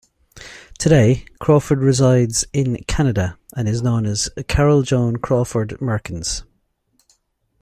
Today, Crawford resides in Canada, and is known as Carole Joan Crawford-Merkens.